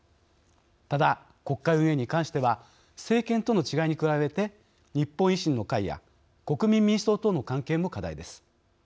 ただ、国会運営に関しては政権との違いに加えて日本維新の会や国民民主党との関係も課題です。